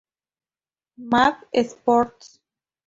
Mad sports.